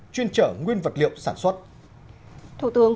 chuyên trở nguyên vật liệu sản xuất